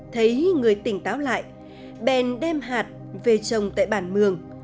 thấy người tỉnh táo lại bèn đem hạt về trồng tại bản mường